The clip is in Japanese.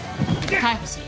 逮捕する。